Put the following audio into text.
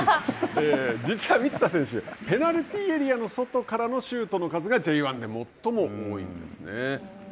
実は満田選手、ペナルティーエリアからのシュートの数がＪ１で最も多いんですね。